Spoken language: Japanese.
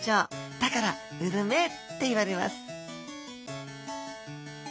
だからウルメっていわれます